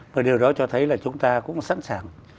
và điều đó cho thấy là chúng ta cũng sẵn sàng